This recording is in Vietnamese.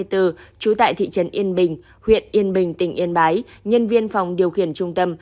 trú tại thị trấn yên bình huyện yên bình tỉnh yên bái nhân viên phòng điều khiển trung tâm